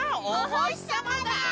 おほしさまだ！